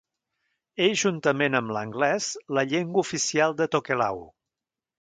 És juntament amb l'anglès la llengua oficial de Tokelau.